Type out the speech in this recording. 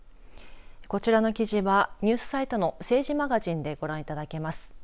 こちらの記事はニュースサイトの政治マガジンでご覧いただけます。